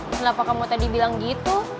kenapa kamu tadi bilang gitu